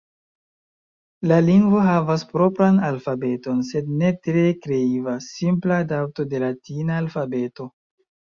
La lingvo havas propran alfabeton, sed ne tre kreiva, simpla adapto de latina alfabeto.